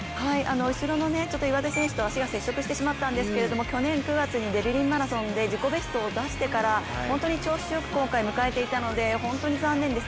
後ろの選手と足が接触してしまったんですけど去年９月にベルリンマラソンで自己ベストを出してから本当に調子よく今回迎えていたので残念です。